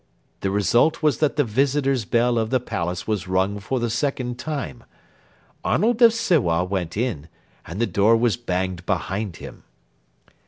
The result was that the visitors' bell of the Palace was rung for the second time. Arnold of Sewa went in, and the door was banged behind him.